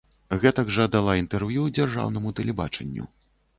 Гэтак жа дала і інтэрв'ю дзяржаўнаму тэлебачанню.